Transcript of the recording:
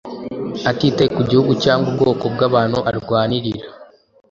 atitaye ku gihugu cyangwa ubwoko bw’abantu arwanirira